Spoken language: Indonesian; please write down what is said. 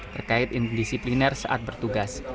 terkait indisipliner saat bertugas